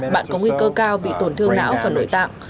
bạn có nguy cơ cao bị tổn thương não và nội tạng